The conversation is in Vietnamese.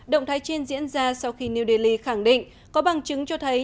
động thái trên diễn ra sau khi new delhi khẳng định có bằng chứng cho thấy